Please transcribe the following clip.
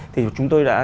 thì chúng tôi đã